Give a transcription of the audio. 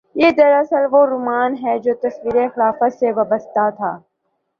یہ دراصل وہ رومان ہے جو تصور خلافت سے وابستہ تھا۔